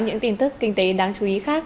những tin tức kinh tế đáng chú ý khác